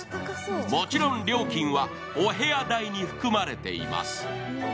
もちろん料金はお部屋代に含まれています。